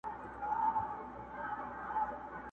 نه محفل كي ګناهونه ياغي كېږي.!